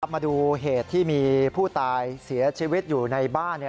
มาดูเหตุที่มีผู้ตายเสียชีวิตอยู่ในบ้าน